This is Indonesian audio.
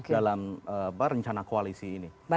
dalam rencana koalisi ini